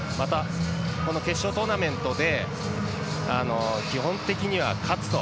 この決勝トーナメントで基本的には勝つと。